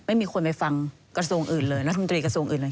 ไม่มีคนไปฟังกระทรวงอื่นเลยรัฐมนตรีกระทรวงอื่นเลย